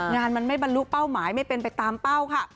งานมันไม่บรรลุเป้าหมายไม่เป็นไปตามเป้าค่ะ